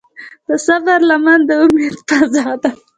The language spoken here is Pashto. د صبر لمن د امید فضا ده.